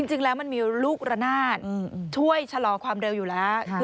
จริงแล้วมันมีลูกระนาดช่วยชะลอความเร็วอยู่แล้ว